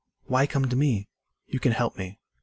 "Why come to me?" "You can help me."